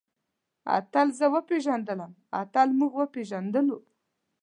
اتل زه وپېژندلم. اتل موږ وپېژندلو.